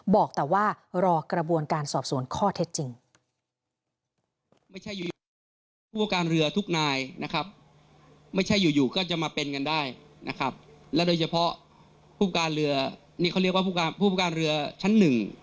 บอกแต่ว่ารอกระบวนการสอบสวนข้อเท็จจริง